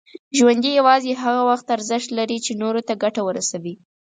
ژوند یوازې هغه وخت ارزښت لري، چې نور ته ګټه ورسوي.